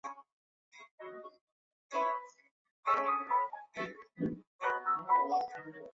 具葶离子芥为十字花科离子芥属下的一个种。